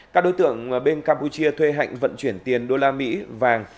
các đối tượng bên campuchia thuê hạnh vận chuyển tiền đô la mỹ vàng